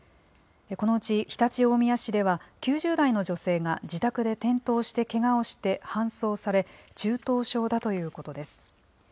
このうち、常陸大宮市では、９０代の女性が自宅で転倒してけがをして、搬送され、中等症だということです。